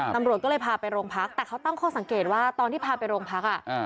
ตำรวจก็เลยพาไปโรงพักแต่เขาตั้งข้อสังเกตว่าตอนที่พาไปโรงพัก